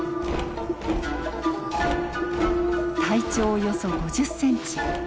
体長およそ５０センチ。